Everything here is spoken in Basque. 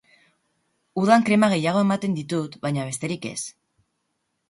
Udan krema gehiago ematen ditut, baina besterik ez.